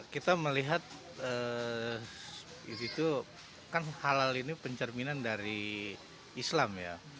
kita melihat itu kan halal ini pencerminan dari islam